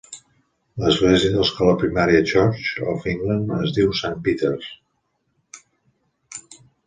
L'església de l'escola primària Church of England es diu St. Peters.